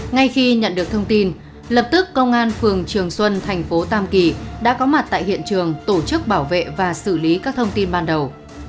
ngay khi nhận được thông tin lập tức công an phường trường xuân thành phố tam kỳ đã có mặt tại hiện trường tổ chức bảo vệ và xử lý các thông tin ban đầu